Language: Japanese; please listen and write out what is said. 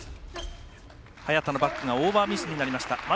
早田のバックがオーバーミスになりました。